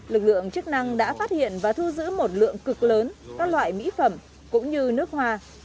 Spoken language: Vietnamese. lực lượng chức năng đã phát hiện và thu giữ một lượng cực lớn các loại mỹ phẩm cũng như nước hoa